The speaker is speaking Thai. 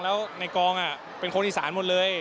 แล้วในกองเป็นคนอีสานหมดเลย